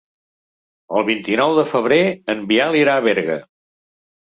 El vint-i-nou de febrer en Biel irà a Berga.